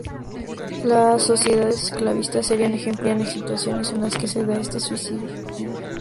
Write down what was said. Las sociedades esclavistas, serían ejemplos de situaciones en las que se da este suicidio.